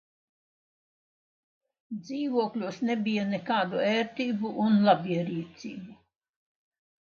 Dzīvokļos nebija nekādu ērtību un labierīcību.